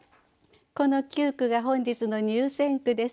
この九句が本日の入選句です。